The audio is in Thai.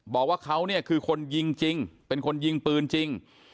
บอกว่าเขาเนี่ยคือคนยิงจริงเป็นคนยิงปืนจริง